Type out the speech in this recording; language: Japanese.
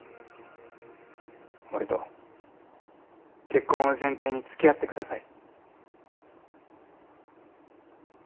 俺と結婚を前提につきあって下さい。